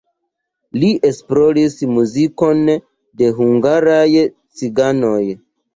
Li esploris muzikon de hungaraj ciganoj.